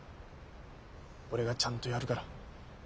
俺がちゃんとやるから。